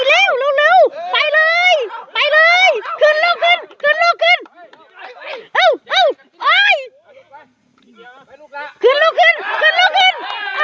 ขึ้นขึ้น